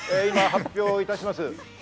今、発表いたします。